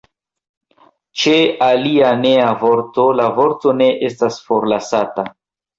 Ĉe alia nea vorto la vorto ne estas forlasata.